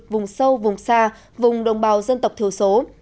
vùng sâu vùng xa vùng đồng bào dân tộc thiểu số